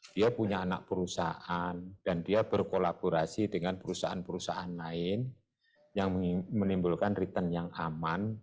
dia punya anak perusahaan dan dia berkolaborasi dengan perusahaan perusahaan lain yang menimbulkan return yang aman